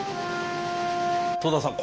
戸田さん